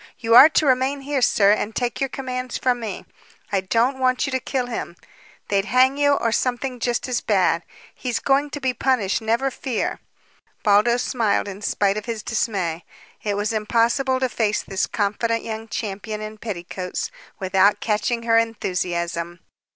You are to remain here, sir, and take your commands from me. I don't want you to kill him. They'd hang you or something just as bad. He's going to be punished, never fear!" Baldos smiled in spite of his dismay. It was impossible to face this confident young champion in petticoats without catching her enthusiasm.